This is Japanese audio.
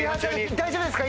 大丈夫ですか？